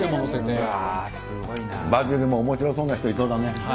バジルもおもしろそうな人、いそうだね。